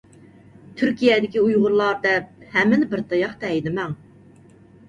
تۈركىيەدىكى ئۇيغۇرلار دەپ، ھەممىنى بىر تاياقتا ھەيدىمەڭ!